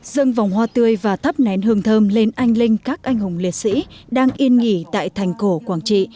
dâng vòng hoa tươi và thắp nén hương thơm lên anh linh các anh hùng liệt sĩ đang yên nghỉ tại thành cổ quảng trị